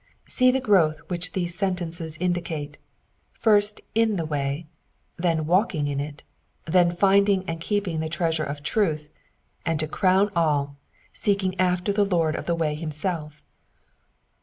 See the growth which these sentences indicate : first, in the way, then walking in it, then finding and keeping the treasure of truth, and to crown all, seeking after the Lord of the way himself.